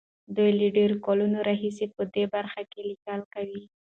دوی له ډېرو کلونو راهيسې په دې برخه کې ليکل کوي.